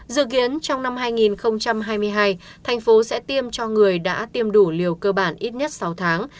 dự kiến trong năm hai nghìn hai mươi hai thành phố sẽ tiêm cho người đã tiêm đủ liều cơ bản ít nhất sáu tháng